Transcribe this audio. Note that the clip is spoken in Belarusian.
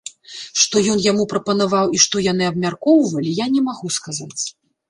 Што ён яму прапанаваў і што яны абмяркоўвалі, я не магу сказаць.